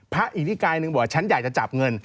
พระอิทธิกายหนึ่งบอกฉันอยากจะจับเงิน